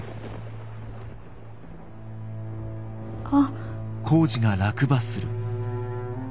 あっ！